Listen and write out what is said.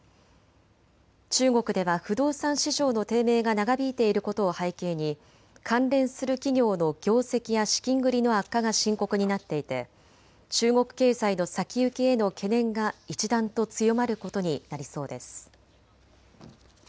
中国では不動産市場の低迷が長引いていることを背景に関連する企業の業績や資金繰りの悪化が深刻になっていて中国経済の先行きへの懸念が一段と強まることになりそうです。